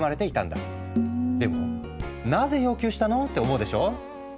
でもなぜ要求したの？って思うでしょ。